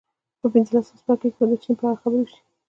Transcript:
په پنځلسم څپرکي کې به د چین په اړه خبرې وشي